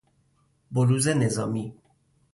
بلوز نظامی